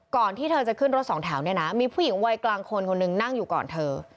ที่เธอจะขึ้นรถสองแถวเนี่ยนะมีผู้หญิงวัยกลางคนคนหนึ่งนั่งอยู่ก่อนเธอ